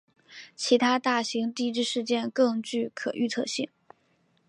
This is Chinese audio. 其他大型地质事件更具可预测性。